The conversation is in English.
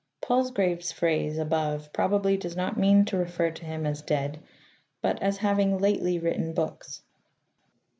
Palsgrave's phrase, above, probably does not mean to refer to him as dead, but as having lately writ ten books.